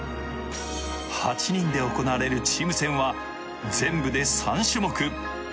８人で行われるチーム戦は全部で３種目。